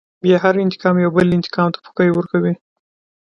بيا هر انتقام يوه بل انتقام ته پوکی ورکوي.